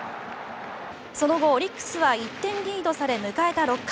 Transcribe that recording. その後、オリックスは１点リードされ、迎えた６回。